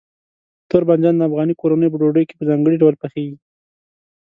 تور بانجان د افغاني کورنیو په ډوډۍ کې په ځانګړي ډول پخېږي.